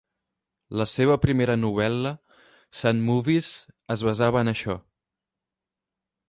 La seva primera novel·la, "Sad Movies", es basava en això.